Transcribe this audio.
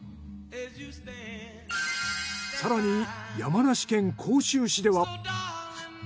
更に山梨県甲州市では。